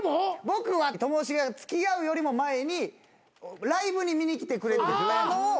僕はともしげが付き合うよりも前にライブに見に来てくれてたのを何回か。